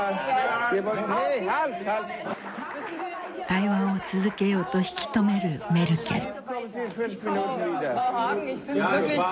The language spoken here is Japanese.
対話を続けようと引き止めるメルケル。